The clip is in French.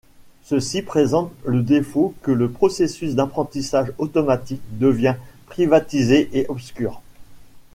Ceci présente le défaut que le processus d’apprentissage automatique devient privatisé et obscur.